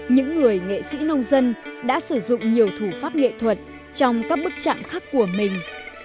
những người nghệ sĩ nông dân đã sử dụng nhiều thủ pháp nghệ thuật trong các bức chạm khắc của mình